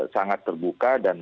sangat terbuka dan